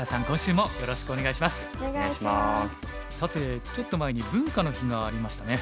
さてちょっと前に文化の日がありましたね。